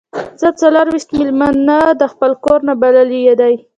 زه څلور ویشت میلمانه د خپل کور ته بللي دي.